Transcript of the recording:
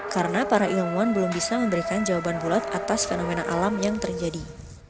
karena para ilmuwan belum bisa memberikan jawaban bulat atas fenomena alam yang terjadi